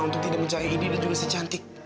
untuk tidak mencari indi dan juga si cantik